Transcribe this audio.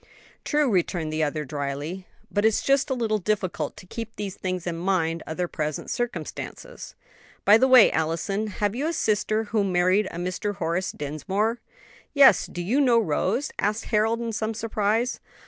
"True," returned the other, drily; "but it's just a little difficult to keep these things in mind under present circumstances. By the way, Allison, have you a sister who married a Mr. Horace Dinsmore?" "Yes, do you know Rose?" asked Harold, in some surprise.